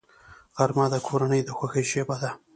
غرمه د کورنۍ د خوښۍ شیبه ده